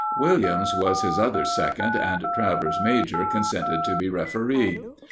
Williams was his other second, and Travers major consented to be referee.